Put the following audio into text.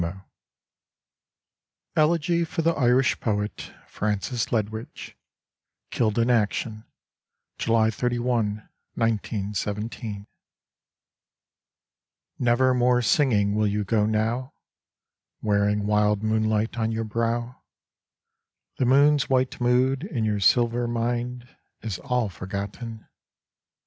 99 ELEGY FOR THE IRISH POET FRANCIS LEDWIDGE {Killed in action — July SI, 1917) Never more singing Will you go now, Wearing wild moonlight On your brow. The moon's white mood In your silver mind Is all forgotten.